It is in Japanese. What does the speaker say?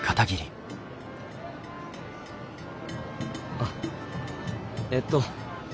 あっえっと